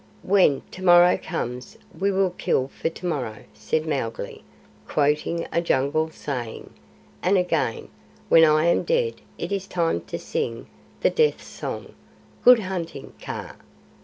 "When to morrow comes we will kill for to morrow," said Mowgli, quoting a Jungle saying; and again, "When I am dead it is time to sing the Death Song. Good hunting, Kaa!"